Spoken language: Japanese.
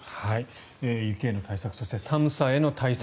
雪への対策そして寒さへの対策